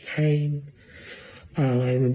เธอเล่าต่อนะครับ